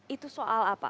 itu soal apa